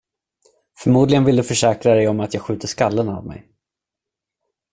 Förmodligen vill du försäkra dig om att jag skjuter skallen av mig.